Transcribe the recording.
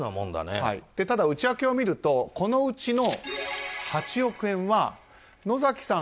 ただ内訳を見るとこのうちの８億円は野崎さん